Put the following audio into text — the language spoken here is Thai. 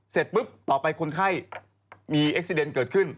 เสร็จปุ๊บต่อไปคนไข้มีเอ็กซีเดนเกิดขึ้น